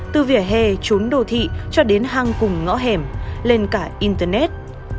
từ vỉa hè trốn đô thị cho đến hang cùng ngõ hẻm lên cả internet